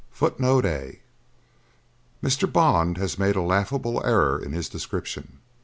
[Footnote A: Mr. Bond has made a laughable error in his description.